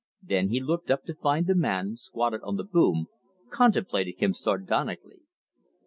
Then he looked up to find the man, squatted on the boom, contemplating him sardonically.